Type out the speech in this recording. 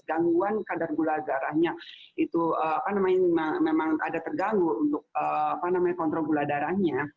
gangguan kadar gula darahnya itu memang ada terganggu untuk kontrol gula darahnya